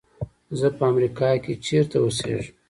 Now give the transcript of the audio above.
زه په امریکا کې چېرته اوسېږم.